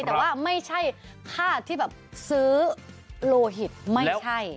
แต่ว่าไม่ใช่ค่าที่แบบซื้อโลหิตไม่ใช่